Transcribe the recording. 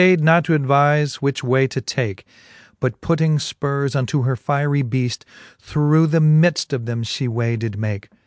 she ftayd not to advife which way to take ; But putting fpurres unto her fiery beaft, Thorough the midft of them fhe way did make.